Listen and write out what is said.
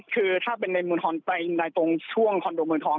ก็ถ้าเป็นในมึงทองตัวต้องแย้งขนดอมมึงทอง